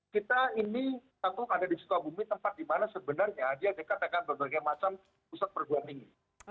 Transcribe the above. kita ini tentu ada di setiap bumi tempat di mana sebenarnya dia dekat dengan berbagai macam pusat perjuang ini